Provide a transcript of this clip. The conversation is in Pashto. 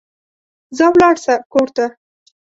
ځه ولاړ سه کور ته